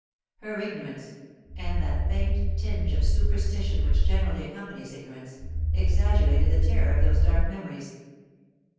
Her ignorance, and that faint tinge of superstition which generally accompanies ignorance, exaggerated the terror of those dark memories.